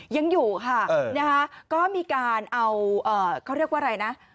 ยังอยู่ค่ะนะคะก็มีการเอาเขาเรียกว่าอะไรนะ